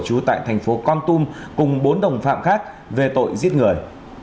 trú tại thành phố con tum cùng bốn đồng phạm khác về tội giết người